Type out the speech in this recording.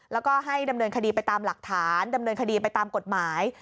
แล้วก็ให้ดำเนินคดีไปตามหลักฐานดำเนินคดีไปตามกฎหมาย